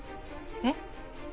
えっ？